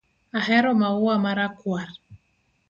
Ahero maua ma rakwar